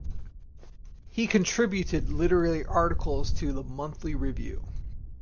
He contributed literary articles to "The Monthly Review".